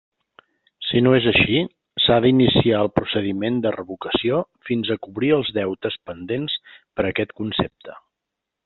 Si no és així, s'ha d'iniciar el procediment de revocació fins a cobrir els deutes pendents per aquest concepte.